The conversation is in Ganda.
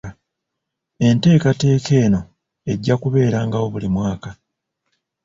Enteekateeka eno ejja kubeerangawo buli mwaka.